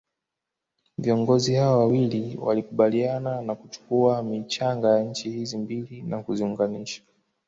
viongozi hawa wawili walikubaliana na kuchukua michanga ya nchi hizi mbili na kuziunganisha